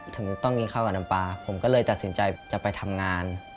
ต้องกินข้าวกับน้ำปลาผมก็เลยตัดสินใจจะไปทำงาน